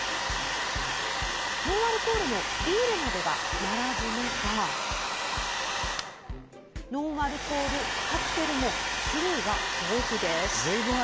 ノンアルコールのビールなどが並ぶ中ノンアルコールカクテルも種類が豊富です。